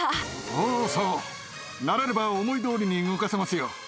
そうそう、慣れれば思いどおりに動かせますよ。